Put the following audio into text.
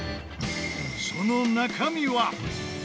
その中身は？